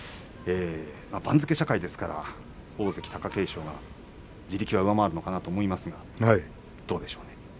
番付社会ですから、大関貴景勝が地力は上回るのかなと思いますがどうでしょうね。